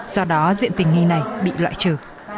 do đó diện tình nghi này bị loại trừ